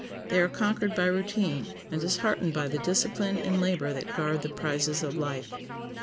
They are conquered by routine, and disheartened by the discipline and labor that guard the prizes of life.